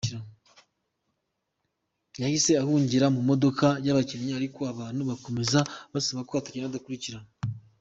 Yahise ahungira mu modoka y’abakinnyi, ariko abantu bakomeza gusaba ko atagenda adakurikiranywe.